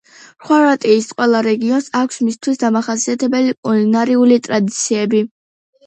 ხორვატიის ყველა რეგიონს აქვს მისთვის დამახასიათებელი კულინარიული ტრადიციები.